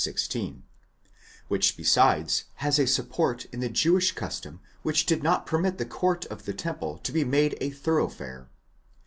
16), which besides has a support in the Jewish custom which did not per mit the court of the temple to be made a thoroughfare.